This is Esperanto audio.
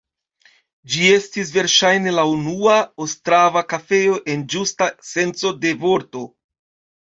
Ĝi estis verŝajne la unua ostrava kafejo en ĝusta senco de vorto.